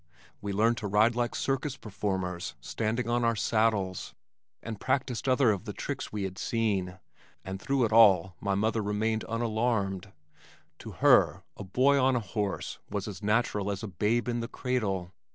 We learned to ride like circus performers standing on our saddles, and practised other of the tricks we had seen, and through it all my mother remained unalarmed. To her a boy on a horse was as natural as a babe in the cradle.